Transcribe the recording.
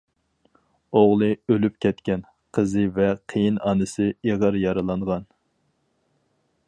ئوغلى ئۆلۈپ كەتكەن، قىزى ۋە قېيىنئانىسى ئېغىر يارىلانغان.